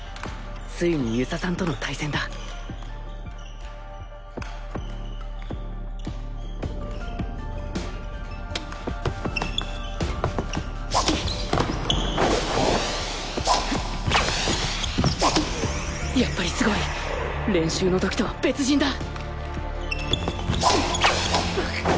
ついに遊佐さんとの対戦だやっぱりすごい！練習の時とは別人だ！